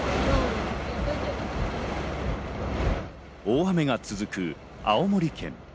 大雨が続く青森県。